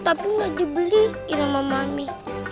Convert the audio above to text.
tapi ternyata belum dibeli sama mami